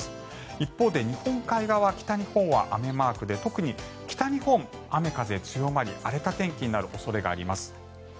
一方で日本海側、北日本は雨マークで特に北日本、雨風強まり荒れた天気になる恐れがあります。